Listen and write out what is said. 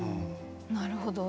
なるほど。